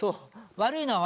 悪いのは私。